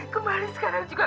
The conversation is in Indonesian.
kembali sekarang juga